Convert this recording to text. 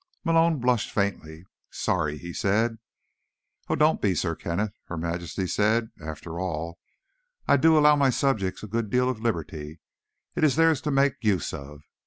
Malone blushed faintly. "Sorry," he said. "Oh, don't be, Sir Kenneth," Her Majesty said. "After all, I do allow my subjects a good deal of liberty; it is theirs to make use of."